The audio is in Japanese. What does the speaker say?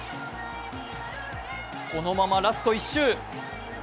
このままラスト１周。